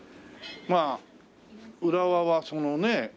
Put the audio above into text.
まあ浦和はねえ